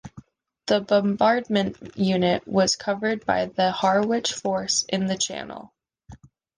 The bombardment unit was covered by the Harwich Force in the Channel.